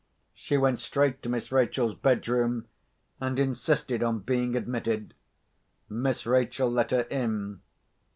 She went straight to Miss Rachel's bedroom, and insisted on being admitted. Miss Rachel let her in.